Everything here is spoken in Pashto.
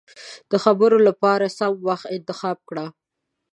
د خبرو له پاره سم وخت انتخاب کړه.